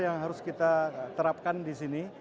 yang harus kita terapkan disini